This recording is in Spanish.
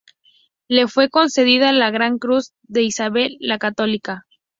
Le fue concedida la Gran Cruz de Isabel la Católica.